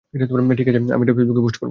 ঠিক আছে আমি এটা ফেসবুকে পোষ্ট করবো।